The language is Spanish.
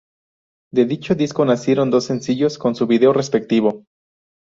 De dicho disco nacieron dos sencillos con su video respectivo.